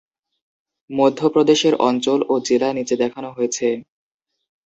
মধ্য প্রদেশের অঞ্চল ও জেলা নিচে দেখানো হয়েছে।